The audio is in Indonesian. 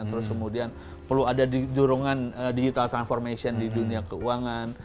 terus kemudian perlu ada dorongan digital transformation di dunia keuangan